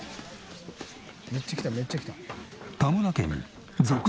めっちゃ来ためっちゃ来た。